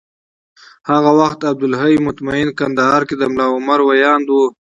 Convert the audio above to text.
هغه وخت عبدالحی مطمین کندهار کي د ملا عمر ویاند و